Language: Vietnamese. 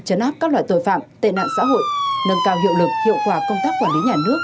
chấn áp các loại tội phạm tệ nạn xã hội nâng cao hiệu lực hiệu quả công tác quản lý nhà nước